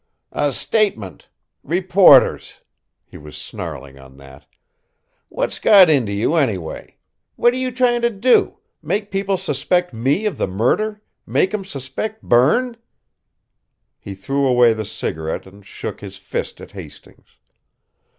"A statement! Reporters!" He was snarling on that. "What's got into you, anyway? What are you trying to do make people suspect me of the murder make 'em suspect Berne?" He threw away the cigarette and shook his fist at Hastings.